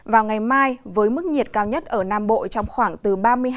và ngày mai với mức nhiệt cao nhất ở nam bộ trong khoảng từ ba mươi hai